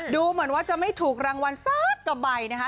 ดูเหมือนจะไม่ถูกรางวัลซักกับใบนะฮะ